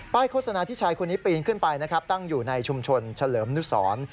โฆษณาที่ชายคนนี้ปีนขึ้นไปนะครับตั้งอยู่ในชุมชนเฉลิมนุสร